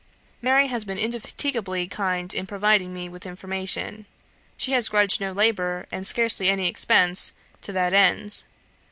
Mary has been indefatigably kind in providing me with information. She has grudged no labour, and scarcely any expense, to that end.